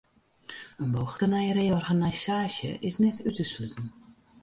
In mooglike nije reorganisaasje is net út te sluten.